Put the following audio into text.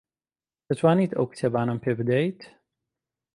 دەتوانیت ئەو کتێبانەم پێ بدەیت؟